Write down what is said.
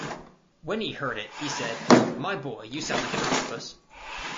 When he heard it, he said, 'My boy, you sound like an octopus.